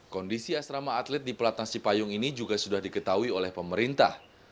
kondisi asrama atlet di pelatnas cipayung ini juga sudah diketahui oleh pemerintah